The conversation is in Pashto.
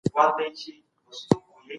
دارغنداب سیند د خلکو د عاید یوه سرچینه ده.